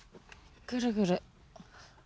ぐるぐる。